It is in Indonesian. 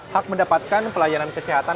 hak mendapatkan pelayanan kesehatan